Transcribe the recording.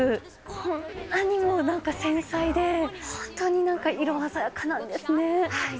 こんなにもなんか繊細で、本当になんか色鮮やかなんですね。